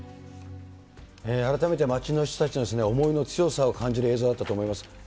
改めて町の人たちの思いの強さを感じる映像だったと思います。